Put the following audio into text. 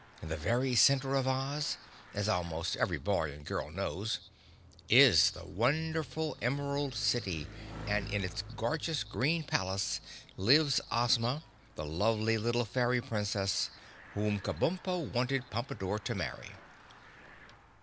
In the very center of Oz, as almost every boy and girl knows, is the wonderful Emerald City, and in its gorgeous green palace lives Ozma, the lovely little Fairy Princess, whom Kabumpo wanted Pompadore to marry.